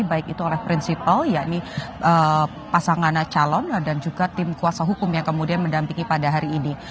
baik itu oleh prinsipal yakni pasangan calon dan juga tim kuasa hukum yang kemudian mendampingi pada hari ini